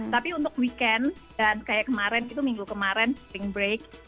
tapi untuk weekend dan kayak kemarin itu minggu kemarin spring break